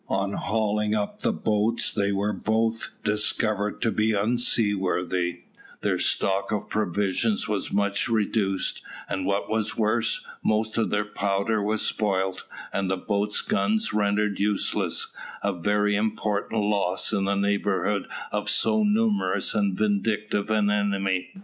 On hauling up the boats they were both discovered to be unseaworthy; their stock of provisions was much reduced; and what was worst, most of their powder was spoilt, and the boats' guns rendered useless, a very important loss in the neighbourhood of so numerous and vindictive an enemy.